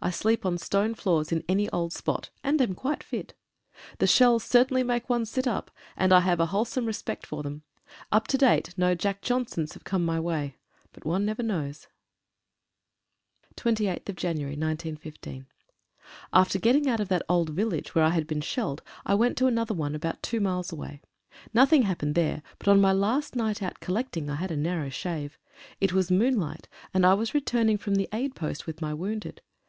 I sleep on stone floors in any old spot, and am quite fit. The shells cer tainly make one sit up, and I have a wholesome respect for them. Up to date no "Jack Johnsons" have come my way, but one never knows. «• B «• 28/1/15. AFTER getting out of that old village where I had been shelled I went to another one, about two miles away. Nothing happened there, but on my last night out collecting I had a narrow shave. It was moonlight, and I was returning from the aid post with my wounded.